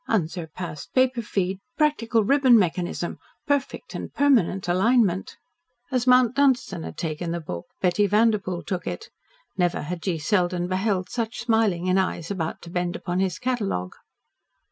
Unsurpassed paper feed, practical ribbon mechanism perfect and permanent alignment." As Mount Dunstan had taken the book, Betty Vanderpoel took it. Never had G. Selden beheld such smiling in eyes about to bend upon his catalogue.